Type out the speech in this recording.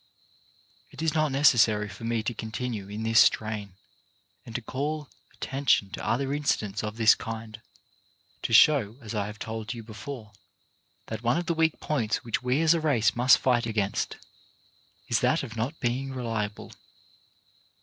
It is not necessary for me to continue in this 136 CHARACTER BUILDING strain, and to call attention to other incidents of this kind, to show, as I have told you before, that one of the weak points which we as a race must fight against, is that of not being reliable.